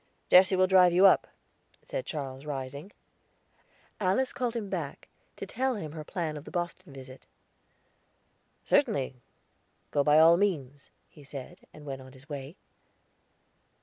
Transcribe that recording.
"Jesse will drive you up," said Charles, rising. Alice called him back, to tell him her plan of the Boston visit. "Certainly; go by all means," he said, and went on his way.